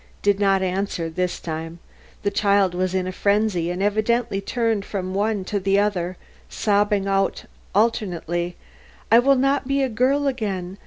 did not answer this time; the child was in a frenzy, and evidently turned from one to the other, sobbing out alternately, "I will not be a girl again.